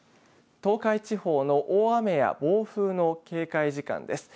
東海地方の大雨や暴風の警戒時間です。